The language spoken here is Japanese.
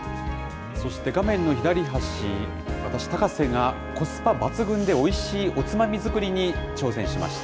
そして画面の左端、私、高瀬がコスパ抜群でおいしいおつまみ作りに挑戦しました。